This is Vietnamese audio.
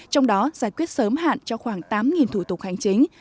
trong đó giải quyết sớm hạn cho khoảng tám thủ tục hành chính